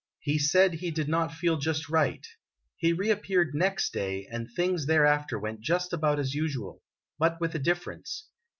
He said he did not feel just right. He reappeared next day, and things thereafter went just about as usual but with a difference.